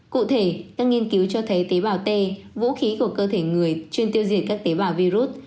cụ thể các nghiên cứu cho thấy tế bào t vũ khí của cơ thể người chuyên tiêu diệt các tế bào virus